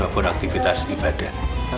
maupun aktivitas ibadah